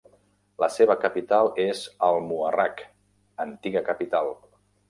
La seva capital és al-Muharraq, antiga capital.